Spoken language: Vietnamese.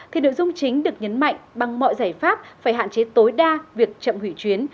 thì nội dung chính được nhấn mạnh bằng mọi giải pháp phải hạn chế tối đa việc chậm hủy chuyến